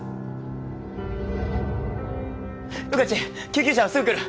穿地救急車はすぐ来る。